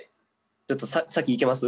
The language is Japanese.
ちょっと先いけます？